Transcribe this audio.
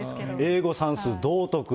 英語、算数、道徳。